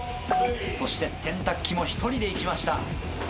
そして洗濯機も１人で行きました。